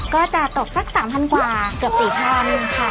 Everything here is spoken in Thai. ก็จะตกสักสามพันกว่าเกือบสี่พันค่ะ